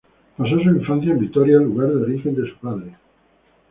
Pasó su infancia en Vitoria, lugar de origen de su padre.